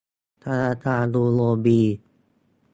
ธนาคารยูโอบี